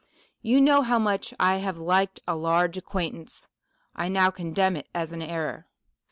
'" You know how much I have liked a large ac quaintance ; I now condemn it as an error.